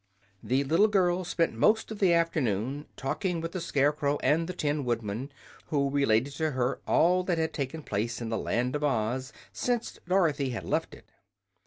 The little girl spent most of the afternoon talking with the Scarecrow and the Tin Woodman, who related to her all that had taken place in the Land of Oz since Dorothy had left it.